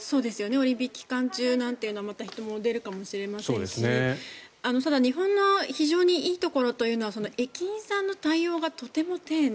オリンピック期間中なんてというのはまた人も出るかもしれませんしただ、日本の非常にいいところというのは駅員さんの対応がとても丁寧。